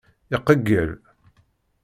Iqeyyel.